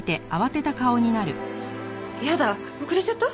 やだ遅れちゃった？